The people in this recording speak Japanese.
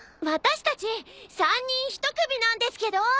私たち３人１組なんですけど。